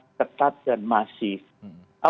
saat ini pengawasan publik sangat amat ketat dan mahal